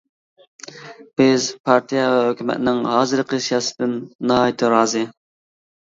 بىز پارتىيە ۋە ھۆكۈمەتنىڭ ھازىرقى سىياسىتىدىن ناھايىتى رازى.